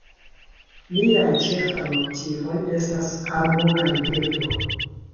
Liaj ĉefaj motivoj estas arbo kaj birdo.